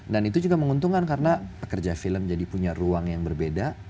dan itu juga menguntungkan karena pekerja film jadi punya ruang yang berbeda